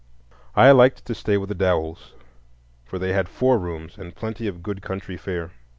I liked to stay with the Dowells, for they had four rooms and plenty of good country fare.